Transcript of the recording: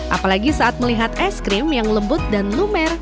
apalagi saat melihat es krim yang lembut dan lumer